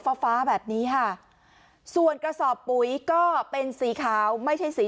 ฟ้าฟ้าแบบนี้ค่ะส่วนกระสอบปุ๋ยก็เป็นสีขาวไม่ใช่สี